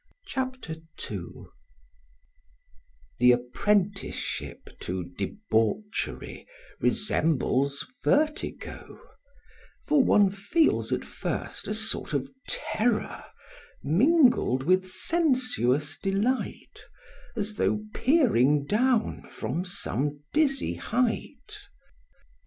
CHAPTER II THE apprenticeship to debauchery resembles vertigo, for one feels at first a sort of terror mingled with sensuous delight as though peering down from some dizzy height.